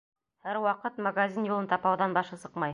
Һәр ваҡыт магазин юлын тапауҙан башы сыҡмай.